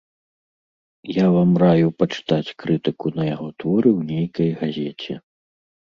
Я вам раю пачытаць крытыку на яго творы ў нейкай газеце.